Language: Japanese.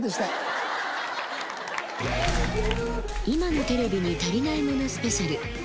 今のテレビに足りないものスペシャル。